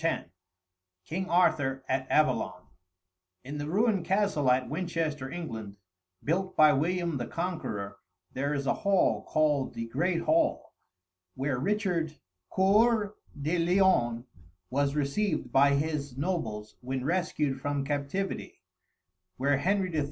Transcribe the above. X KING ARTHUR AT AVALON In the ruined castle at Winchester, England, built by William the Conqueror, there is a hall called "The Great Hall," where Richard Coeur de Lion was received by his nobles when rescued from captivity; where Henry III.